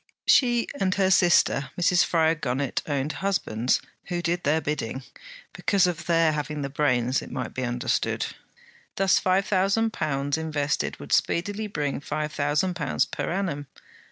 She and her sister Mrs. Fryar Gunnett owned husbands who did their bidding, because of their having the brains, it might be understood. Thus five thousand pounds invested would speedily bring five thousand pounds per annum.